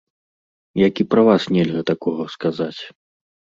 Як і пра вас нельга такога сказаць.